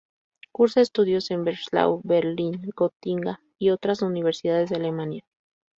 Cursa estudios en Breslau, Berlín, Gotinga y otras universidades de Alemania.